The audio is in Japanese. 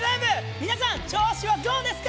皆さん、調子はどうですか！